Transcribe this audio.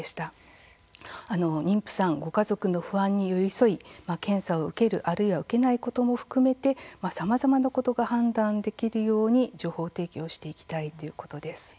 妊婦さん、ご家族の不安に寄り添い、検査を受けるあるいは受けないことも含めてさまざまなことが判断できるように情報提供をしていきたいということです。